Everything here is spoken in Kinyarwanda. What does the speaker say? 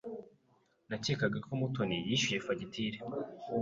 Nakekaga ko Mutoni yishyuye fagitire.